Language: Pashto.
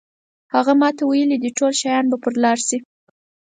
هغه ماته ویلي دي ټول شیان به پر لار شي.